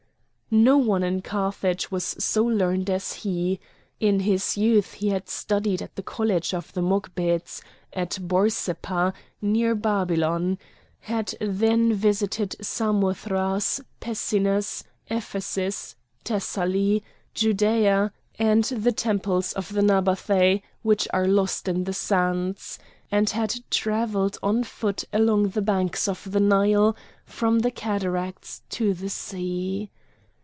No one in Carthage was so learned as he. In his youth he had studied at the College of the Mogbeds, at Borsippa, near Babylon; had then visited Samothrace, Pessinus, Ephesus, Thessaly, Judæa, and the temples of the Nabathæ, which are lost in the sands; and had travelled on foot along the banks of the Nile from the cataracts to the sea.